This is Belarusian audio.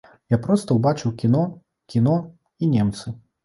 Я проста ўбачыў кіно, кіно і немцы!